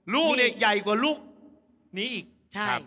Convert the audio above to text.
ลูกเนี่ยใหญ่กว่าลูกนี้อีก